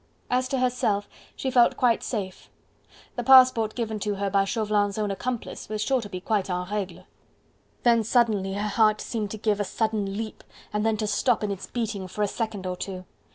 As to herself, she felt quite safe: the passport given to her by Chauvelin's own accomplice was sure to be quite en regle. Then suddenly her heart seemed to give a sudden leap and then to stop in its beating for a second or two.